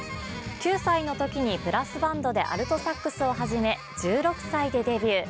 ９歳の時にブラスバンドでアルトサックスを始め１６歳でデビュー。